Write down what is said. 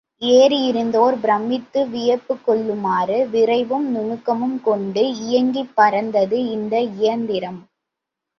ஏறியிருந்தோர் பிரமித்து வியப்புக் கொள்ளுமாறு விரைவும் நுணுக்கமும் கொண்டு இயங்கிப் பறந்தது இந்த இயந்திரம்.